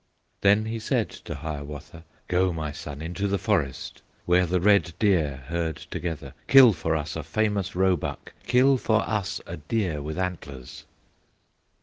Then he said to Hiawatha: "Go, my son, into the forest, Where the red deer herd together, Kill for us a famous roebuck, Kill for us a deer with antlers!"